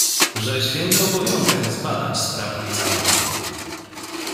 Że święty obowiązek zbadać sprawę całą